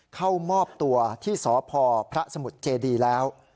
เข้ามอบตัวที่สพพระสมุทรเจดีแล้ว